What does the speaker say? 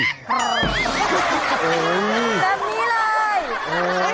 แบบนี้เลย